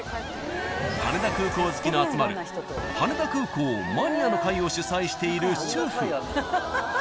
［羽田空港好きの集まる羽田空港マニアの会を主催している主婦］